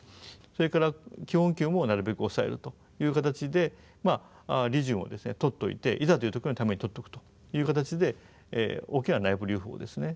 それから基本給もなるべく抑えるという形で利潤を取っといていざという時のために取っとくという形で大きな内部留保をですね